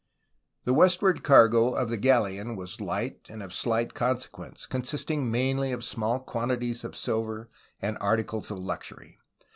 The westward cargo of the galleon was light and of slight consequence, consisting mainly of small quantities of silver and articles of luxury.